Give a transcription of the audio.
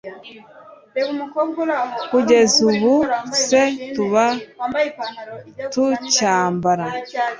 kugeza ubu se tuba tucyambara